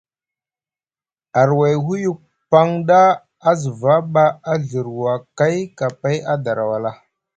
Arwuŋ huyuk paŋ ɗa a zva ɓa a ŋirɵa kay kapay a dara wala.